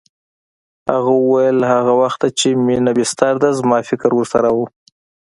هغه وویل له هغه وخته چې مينه بستر ده زما فکر ورسره و